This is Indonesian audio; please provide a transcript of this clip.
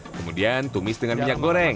kemudian tumis dengan minyak goreng